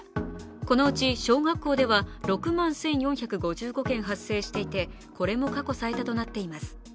このうち小学校では６万１４５５件発生していてこれも過去最多となっています。